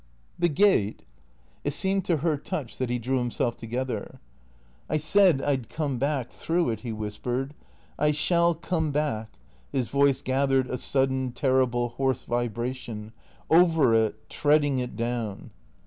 "The gate?" It seemed to her touch that he drew himself together. " I said I 'd come back — through it " he whispered. " I shall — come back "— his voice gathered a sudden, terrible, hoarse vibration —" over it — treading it down."